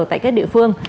tại các địa phương